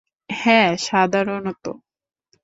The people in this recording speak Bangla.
হ্যাঁ, সাধারণত।